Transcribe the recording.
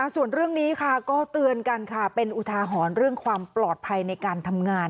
ส่วนเรื่องนี้ค่ะก็เตือนกันค่ะเป็นอุทาหรณ์เรื่องความปลอดภัยในการทำงาน